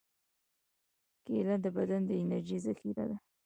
کېله د بدن د انرژۍ ذخیره ده.